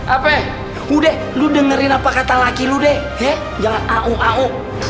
apa ya udah lu dengerin apa kata laki lu deh ya jangan au au